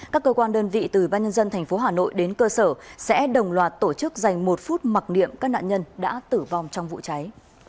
các cơ quan đơn vị từ ban nhân dân tp hà nội đến cơ sở sẽ đồng loạt tổ chức dành một phút mặc niệm các nạn nhân đã tử vong trong vụ cháy